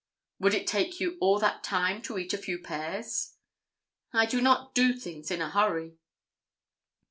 "Would it take you all that time to eat a few pears?" "I do not do things in a hurry."